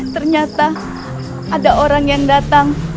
ternyata ada orang yang datang